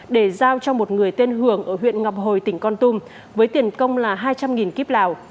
để giao cho một người tên hường ở huyện ngọc hồi tỉnh con tum với tiền công là hai trăm linh kip lào